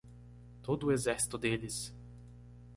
Todo o exército deles!